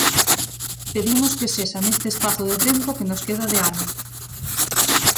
Pedimos que sexa neste espazo de tempo que nos queda de ano.